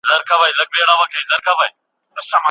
مګر خبره دا ده چي بری یوازي دانه دی